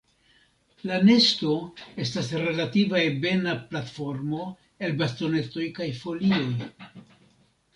La nesto estas relative ebena platformo el bastonetoj kaj folioj.